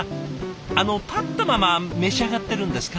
あの立ったまま召し上がってるんですか？